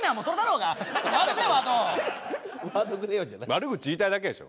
悪口言いたいだけでしょ？